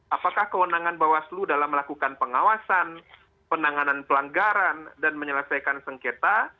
apakah kewenangan bawaslu dalam melakukan pengawasan penanganan pelanggaran dan menyelesaikan sengketa